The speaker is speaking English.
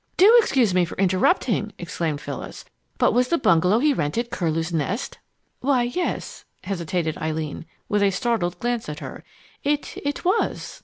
"Do excuse me for interrupting!" exclaimed Phyllis; "but was the bungalow he rented Curlew's Nest?" "Why, yes," hesitated Eileen, with a startled glance at her "it it was."